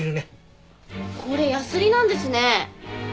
これヤスリなんですね。